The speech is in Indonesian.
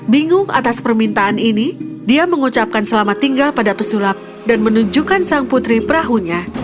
bingung atas permintaan ini dia mengucapkan selamat tinggal pada pesulap dan menunjukkan sang putri perahunya